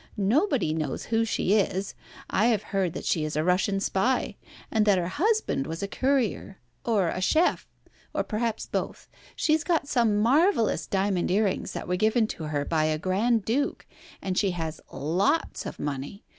Nobody knows who she is. I have heard that she is a Russian spy, and that her husband was a courier, or a chef, or perhaps both. She has got some marvellous diamond earrings that were given to her by a Grand Duke, and she has lots of money.